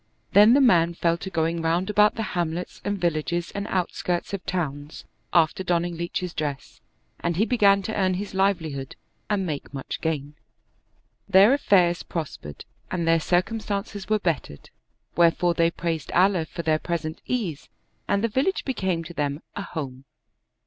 Then the man fell to going round about 46 The Weaver Who Became a Leach the hamlets and villages and outskirts of towns, after don ning leach's dress ; and he began to earn his livelihood and make much gain. Their affairs prospered and their cir cumstances were bettered; wherefore they praised Allah for their present ease and the village became to them a home.